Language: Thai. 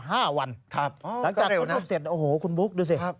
หลังจากขนลุกเสร็จโอ้โหคุณบุ๊คดูสิ